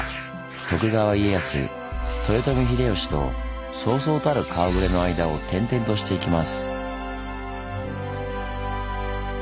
徳川家康豊臣秀吉とそうそうたる顔ぶれの間を転々としていきます。